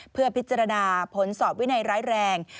เพื่อพิจารณาผลสอบวินัยร้ายแรง